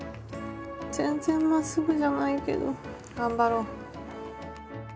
全然まっすぐじゃないけど頑張ろう。